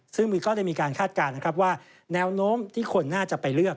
ซึ่งก็ได้มีการคาดการณ์นะครับว่าแนวโน้มที่คนน่าจะไปเลือก